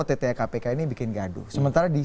ott kpk ini bikin gaduh sementara di